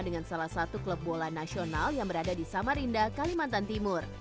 dengan salah satu klub bola nasional yang berada di samarinda kalimantan timur